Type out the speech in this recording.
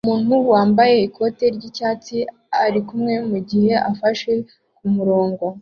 Umuntu wambaye ikoti ryicyatsi arikumwe mugihe afashe kumurongo